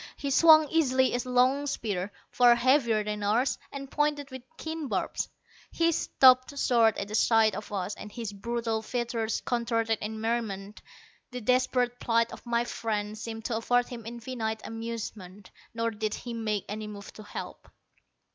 He swung easily a long spear, far heavier than ours, and pointed with keen barbs. He stopped short at the sight of us, and his brutal features contorted in merriment. The desperate plight of my friend seemed to afford him infinite amusement. Nor did he make any move to help.